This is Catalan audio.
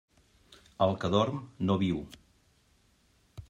El que dorm, no viu.